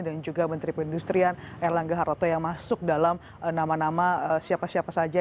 dan juga menteri pendustrian erlangga haroto yang masuk dalam nama nama siapa siapa saja